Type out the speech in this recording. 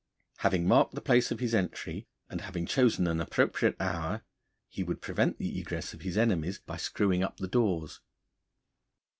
Having marked the place of his entry, and having chosen an appropriate hour, he would prevent the egress of his enemies by screwing up the doors.